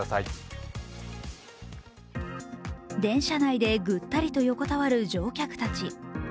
電車内でぐったりと横たわる乗客たち。